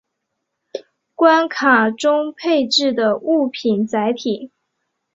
关卡中配置的物品载体。